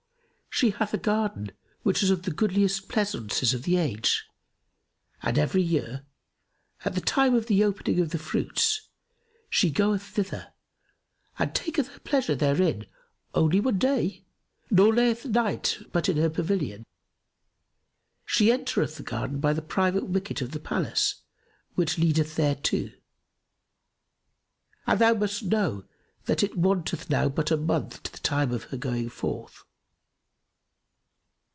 She hath a garden which is of the goodliest pleasaunces of the age; and every year, at the time of the ripening of the fruits, she goeth thither and taketh her pleasure therein only one day, nor layeth the night but in her pavilion. She entereth the garden by the private wicket of the palace which leadeth thereto; and thou must know that it wanteth now but a month to the time of her going forth.